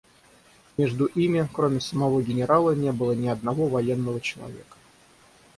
Между ими, кроме самого генерала, не было ни одного военного человека.